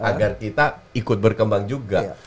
agar kita ikut berkembang juga